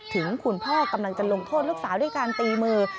ถึงคุณพ่อกำลังจะลงโทษลูกสาวด้วยการตีมือ